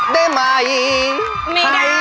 ได้ไหม